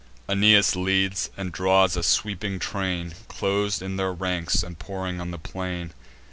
Aeneas leads; and draws a sweeping train, Clos'd in their ranks, and pouring on the plain.